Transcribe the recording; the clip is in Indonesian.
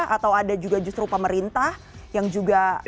atau ada juga justru pemerintah yang juga